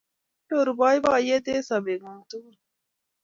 Nyoru boiboiyet eng sopengung tugul